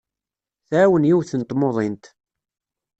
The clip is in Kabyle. Tɛawen yiwet n tmuḍint.